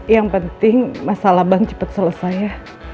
yang penting masalah bank cepat selesai ya